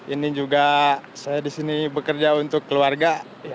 ini juga saya disini bekerja untuk keluarga